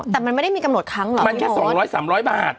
อ๋อแต่มันไม่ได้มีกำหนดครั้งเหรอมันแค่สองร้อยสามร้อยบาท